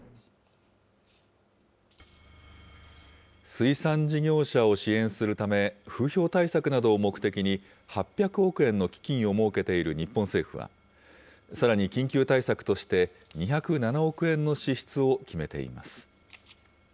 水産事業者を支援するため、風評対策などを目的に、８００億円の基金を設けている日本政府は、さらに緊急対策として、２０７億円の支出を決めています。